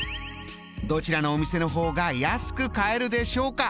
どちらのお店の方が安く買えるでしょうか？